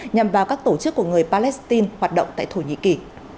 nhằm vào các tổ chức của người palestine hoạt động tại thổ nhĩ kỳ